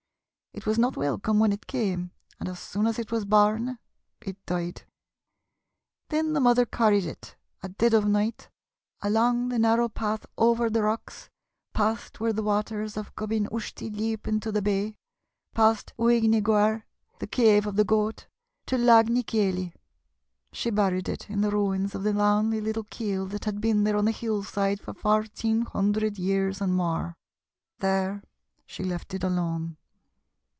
It was not welcome when it came, and as soon as it was born, it died. Then the mother carried it, at dead of night, along the narrow path over the rocks, past where the waters of Gob yn Ushtey leap into the bay, past Ooig ny Goayr, the Cave of the Goat, to Lag ny Keilley. She buried it in the ruins of the lonely little Keeill that has been there on the hill side for fourteen hundred years and more. There she left it alone.